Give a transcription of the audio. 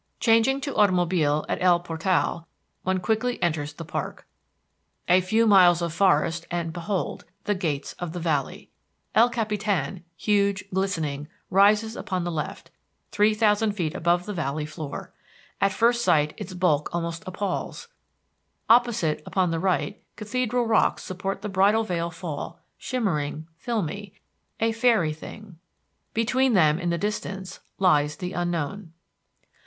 Changing to automobile at El Portal, one quickly enters the park. A few miles of forest and behold the Gates of the Valley. El Capitan, huge, glistening, rises upon the left, 3,000 feet above the valley floor. At first sight its bulk almost appalls. Opposite upon the right Cathedral Rocks support the Bridal Veil Fall, shimmering, filmy, a fairy thing. Between them, in the distance, lies the unknown.